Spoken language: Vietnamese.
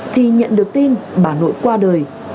thì nhận được tin bà nội qua đời